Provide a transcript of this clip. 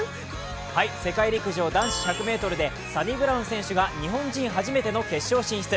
世界陸上男子１００ｍでサニブラウン選手が日本人初めての決勝進出。